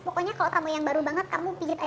pokoknya kalau kamu yang baru banget kamu pijat aja